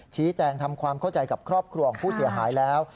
ชี้แจงทำความเข้าใจกับครอบครัวของผู้เสียหายแล้ว